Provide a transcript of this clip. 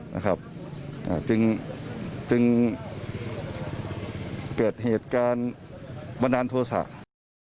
นะครับจึงเกิดเหตุการณ์ไม่นานทวสิ่ง